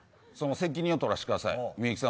責任を取らせてください